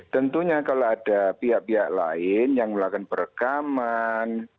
tentunya kalau ada pihak pihak lain yang melakukan perekaman